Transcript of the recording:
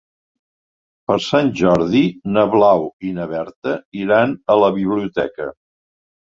Per Sant Jordi na Blau i na Berta iran a la biblioteca.